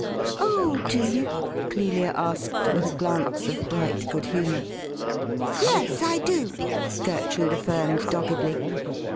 'Oh, do youi"' Clelia asked, with a glance of bright good humour. 'Yes, I do,' Grertrude affirmed doggedly.